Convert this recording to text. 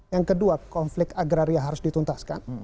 yang kedua konflik agraria harus dituntaskan